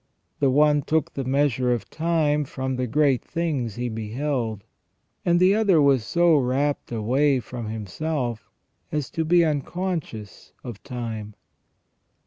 The one took the measure of time from the great things he beheld, and the other was so rapt away from himself as to be unconscious of time.